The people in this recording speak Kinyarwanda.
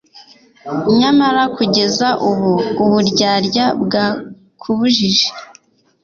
nyamara kugeza ubu uburyarya bwakubujije